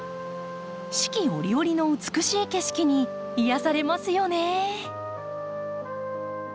四季折々の美しい景色に癒やされますよね。